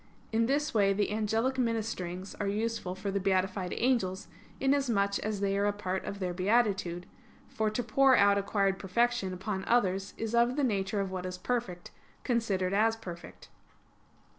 In this way the angelic ministerings are useful for the beatified angels, inasmuch as they are a part of their beatitude; for to pour out acquired perfection upon others is of the nature of what is perfect, considered as perfect.